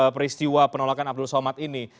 peristiwa penolakan abdul somad ini